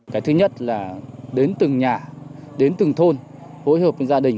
cái thứ nhất là đến từng nhà đến từng thôn hối hợp với gia đình